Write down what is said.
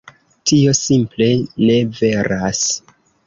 Tio simple ne veras.